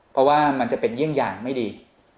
เพราะว่ามันจะเป็นอย่างไม่ดี